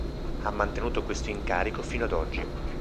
Ha mantenuto questo incarico fino ad oggi.